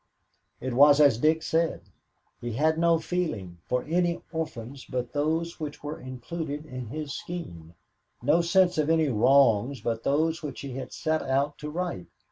It was as Dick said, he had no feeling for any orphans but those which were included in his scheme, no sense of any wrongs but those which he had set out to right.